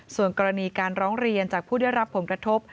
ส่วนกรณีการร้องเรียนจากผู้ได้รับผลกระทบ